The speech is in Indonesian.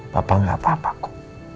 papa gak apa apaku